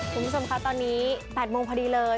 คุณผู้ชมคะตอนนี้๘โมงพอดีเลย